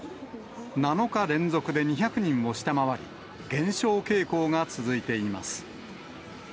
７日連続で２００人を下回り、減少傾向が続いています。